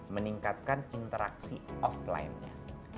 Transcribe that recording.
meningkatkan interaksi offline nya